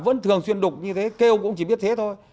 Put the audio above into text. vẫn thường xuyên đục như thế kêu cũng chỉ biết thế thôi